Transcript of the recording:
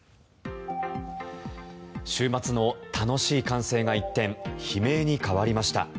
週末の楽しい歓声が一転悲鳴に変わりました。